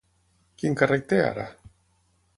Quin càrrec té ara?